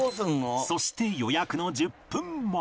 そして予約の１０分前